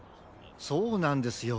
そうなんですよ。